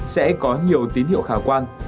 sẽ có nhiều tín hiệu khả quan